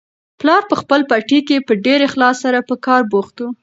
پلار په خپل پټي کې په ډېر اخلاص سره په کار بوخت و.